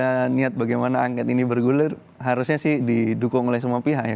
dan lihat bagaimana anget ini bergulir harusnya sih didukung oleh semua pihak ya